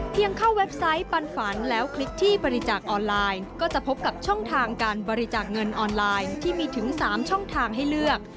เข้าเว็บไซต์ปันฝันแล้วคลิปที่บริจาคออนไลน์ก็จะพบกับช่องทางการบริจาคเงินออนไลน์ที่มีถึง๓ช่องทางให้เลือก